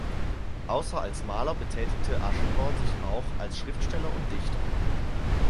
Außer als Maler betätigte Aschenborn sich auch als Schriftsteller und Dichter.